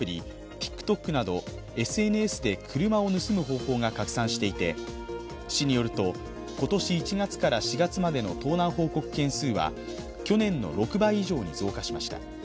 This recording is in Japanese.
ＴｉｋＴｏｋなどＳＮＳで車を盗む方法が拡散していて市によると今年１月から４月までの盗難報告件数は去年の６倍以上に増加しました。